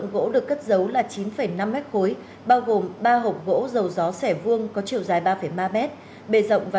gỗ được cất giấu là chín năm m ba bao gồm ba hộp gỗ dầu gió xẻ vuông có chiều dài ba ba mét bề rộng và